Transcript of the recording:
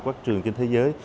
của các trường trên thế giới